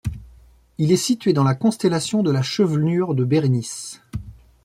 Il est situé dans la constellation de la Chevelure de Bérénice.